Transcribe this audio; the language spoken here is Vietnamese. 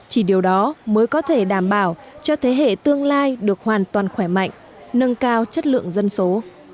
chỉ điều đó mới có thể đảm bảo cho thế hệ tương lai được hoàn toàn khỏe mạnh nâng cao chất lượng dân số